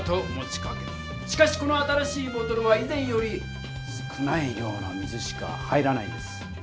しかしこの新しいボトルはい前より少ない量の水しか入らないんです。